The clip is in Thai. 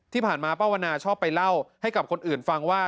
ที่ผ่านมาป้าวันนาชอบไปเล่าให้กับคนอื่นฟังว่า